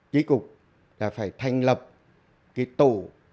trí cục là phải thành lập cái tổ